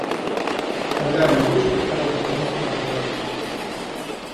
Когда они вышли, карета Вронских уже отъехала.